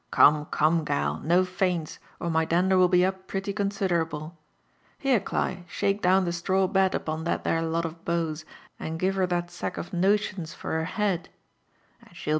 Come come, gal, no faints, or my dander will be up pretty considerable. Here, Gli, shake down the straw bed upon that there lot of boughs, and give her that sack of notions for her head, and aJie* JONATHAN JEFFERSOli WHITLAW.